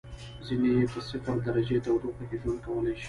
ځینې یې په صفر درجه تودوخې کې ژوند کولای شي.